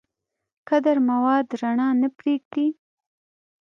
کدر مواد رڼا نه پرېږدي.